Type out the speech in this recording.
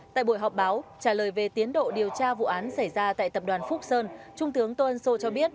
tại buổi họp báo trả lời về tiến độ điều tra vụ án xảy ra tại tập đoàn phúc sơn trung tướng tôn sô cho biết